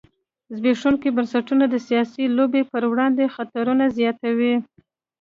زبېښونکي بنسټونه د سیاسي لوبې پر وړاندې خطرونه زیاتوي.